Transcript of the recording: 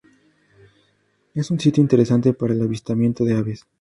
Es un sitio interesante para el avistamiento de aves.